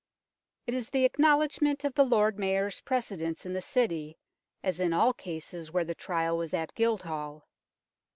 It is the acknowledgment of the Lord Mayor's precedence in the City, as in all cases where the trial was at Guildhall.